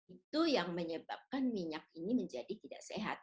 itu yang menyebabkan minyak ini menjadi tidak sehat